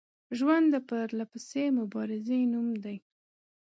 ژوند د پرلپسې مبارزې نوم دی